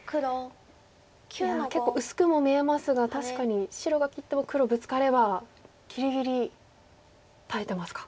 いや結構薄くも見えますが確かに白が切っても黒ブツカればぎりぎり耐えてますか。